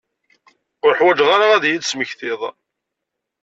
Ur ḥwiǧeɣ ara ad iyi-d-tesmektiḍ.